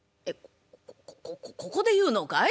ここここで言うのかい？